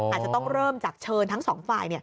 อาจจะต้องเริ่มจากเชิญทั้งสองฝ่าย